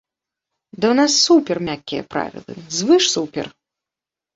Да ў нас супер мяккія правілы, звыш-супер!